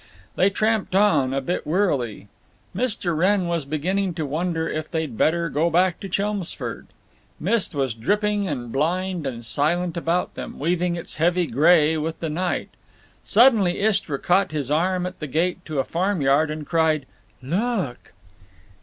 They tramped on, a bit wearily. Mr. Wrenn was beginning to wonder if they'd better go back to Chelmsford. Mist was dripping and blind and silent about them, weaving its heavy gray with the night. Suddenly Istra caught his arm at the gate to a farm yard, and cried, "Look!"